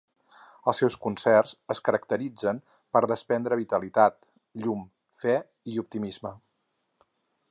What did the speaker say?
Els seus concerts es caracteritzen per desprendre vitalitat, llum, fe i optimisme.